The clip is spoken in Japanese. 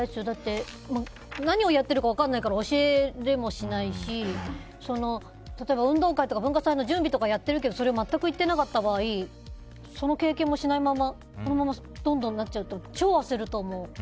だって、何をやってるか分からないから教えられもしないし例えば運動会とか文化祭の準備とかやっているけどそれも全く行っていなかった場合その経験もしないままこのままどんどんなっちゃうと超焦ると思う。